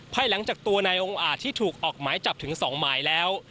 ภายหลังจากตัวนายองค์อาจที่ถูกออกหมายจับถึง๒หมายแล้ว